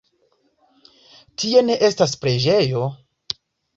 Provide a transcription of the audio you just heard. Tie ne estas preĝejo.